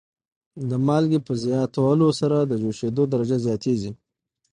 د مالګې په زیاتولو سره د جوشیدو درجه زیاتیږي.